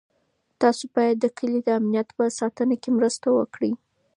تاسو باید د کلي د امنیت په ساتنه کې مرسته وکړئ.